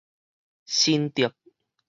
新竹